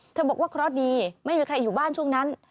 บอกว่าเคราะห์ดีไม่มีใครอยู่บ้านช่วงนั้น